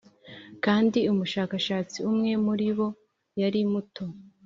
kandi umushakashatsi umwe wo muribo yari muto